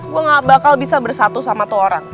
gue gak bakal bisa bersatu sama tuh orang